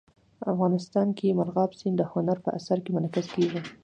افغانستان کې مورغاب سیند د هنر په اثار کې منعکس کېږي.